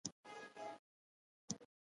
زه نه پوهیږم چا نه وې پوه کړې که څنګه.